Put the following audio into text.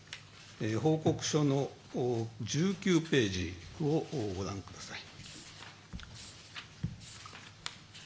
報告書の１９ページをご覧ください。